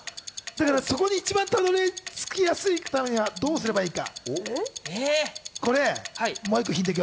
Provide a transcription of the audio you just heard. そこに辿り着きやすいためにはどうすればいいか？